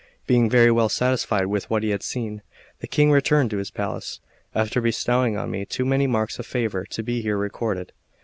XVI BEING very well satisfied with what he had seen, the King returned to his palace, after bestowing on me too many marks of favour to be here recorded.